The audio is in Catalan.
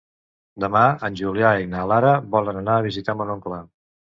Demà en Julià i na Lara volen anar a visitar mon oncle.